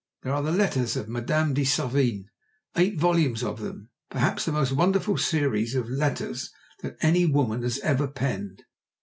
There are the letters of Madame de Sevigne (eight volumes of them), perhaps the most wonderful series of letters that any woman has ever penned.